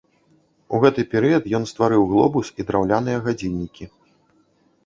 У гэты перыяд ён стварыў глобус і драўляныя гадзіннікі.